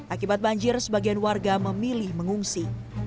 akibat banjir sebagian warga memilih mengungsi